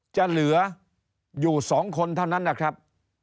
จะเหลืออยู่๒คนเท่านั้นนะครับ